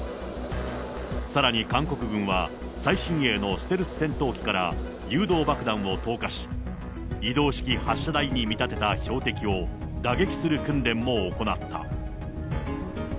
さらに韓国軍は、最新鋭のステルス戦闘機から誘導爆弾を投下し、移動式発射台に見立てた標的を打撃する訓練も行った。